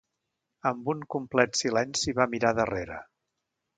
Amb un complet silenci va mirar darrere.